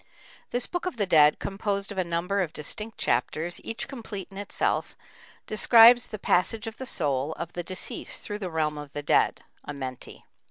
This "Book of the Dead," composed of a number of distinct chapters, each complete in itself, describes the passage of the soul of the deceased through the realm of the dead (Amenti).